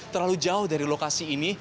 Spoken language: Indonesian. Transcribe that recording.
terlalu jauh dari lokasi ini